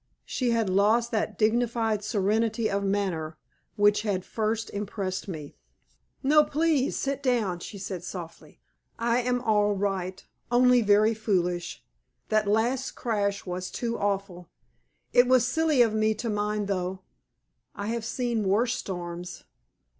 She had lost that dignified serenity of manner which had first impressed me. "No; please sit down," she said, softly. "I am all right only very foolish. That last crash was too awful. It was silly of me to mind, though. I have seen worse storms.